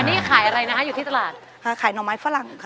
นี่ขายอะไรนะคะอยู่ที่ตลาดขายหน่อไม้ฝรั่งค่ะ